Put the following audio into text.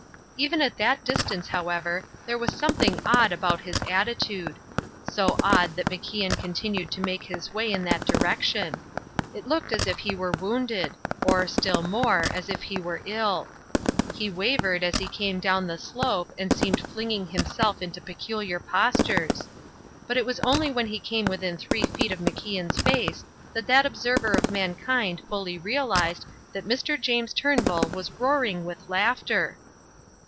Even at that distance, however, there was something odd about his attitude; so odd that MacIan continued to make his way in that direction. It looked as if he were wounded; or, still more, as if he were ill. He wavered as he came down the slope and seemed flinging himself into peculiar postures. But it was only when he came within three feet of MacIan's face, that that observer of mankind fully realized that Mr. James Turnbull was roaring with laughter.